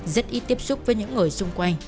rất ít tiếp xúc với những người xung quanh